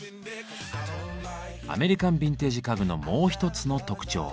アメリカンビンテージ家具のもう一つの特徴。